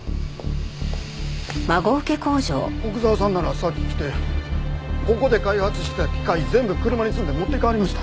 古久沢さんならさっき来てここで開発してた機械全部車に積んで持って行かはりました。